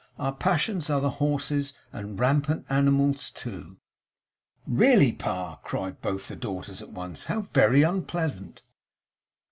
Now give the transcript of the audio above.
Our passions are the horses; and rampant animals too !' 'Really, Pa,' cried both the daughters at once. 'How very unpleasant.